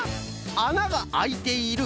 「あながあいている」